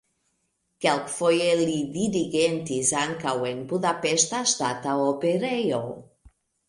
Kelkfoje li dirigentis ankaŭ en Budapeŝta Ŝtata Operejo.